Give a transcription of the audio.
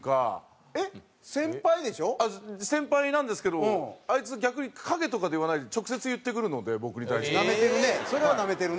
先輩なんですけどあいつ逆に陰とかで言わないで直接言ってくるので僕に対しては。なめてるね。